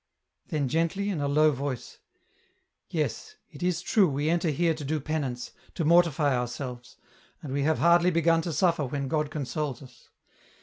Then gently, in a low voice, " Yes, it is true we enter here to do penance, to mortify ourselves, and we have hardly begun to sufifer when God consoles us.